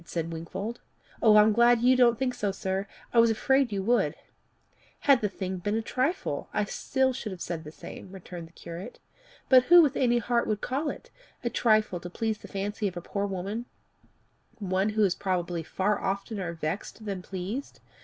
said Wingfold. "I'm glad you don't think so, sir. I was afraid you would." "Had the thing been a trifle, I should still have said the same," returned the curate. "But who with any heart would call it a trifle to please the fancy of a poor woman, one who is probably far oftener vexed than pleased?